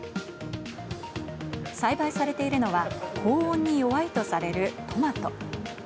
栽培されているのは、高温に弱いとされるトマト。